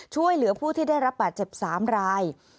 ช่วยเหลือผู้ที่ได้รับบาดเจ็บ๓ราย